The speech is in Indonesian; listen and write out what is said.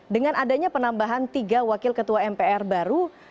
dengan adanya penambahan tiga wakil ketua mpr baru